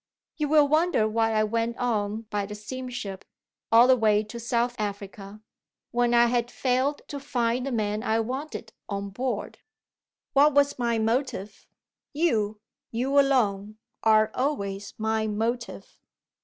"You will wonder why I went on by the steamship all the way to South Africa when I had failed to find the man I wanted, on board. What was my motive? You, you alone, are always my motive.